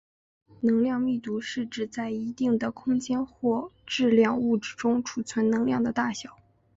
能量密度是指在一定的空间或质量物质中储存能量的大小。